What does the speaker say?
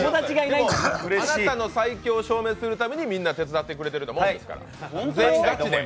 あなたの最強を証明するためにみんな手伝ってくれてるようなものですから。